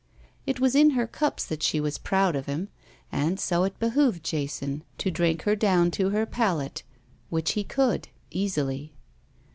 It was in her cups that she was proud of him, and so it behooved Jason to drink her down to her pallet, which he could, easily.